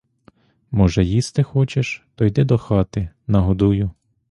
Може, їсти хочеш, то йди до хати — нагодую.